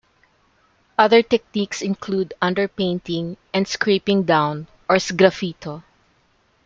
Other techniques include "underpainting" and "scraping down" or sgraffito.